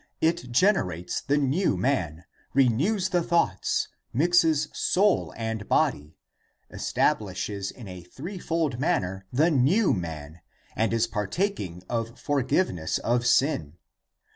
It generates the new man, < renews the thoughts, mixes soul and body,> establishes in a threefold ^ manner the new man, and is partaking of forgiveness of sin.